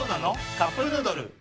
「カップヌードル」